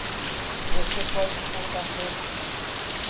Você pode suportar tanto.